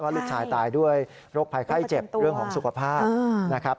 ลูกชายตายด้วยโรคภัยไข้เจ็บเรื่องของสุขภาพนะครับ